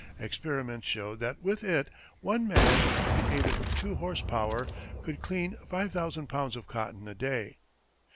Experiments showed that with it, one man, with the aid of two horse power, could clean five thousand pounds of cotton a day!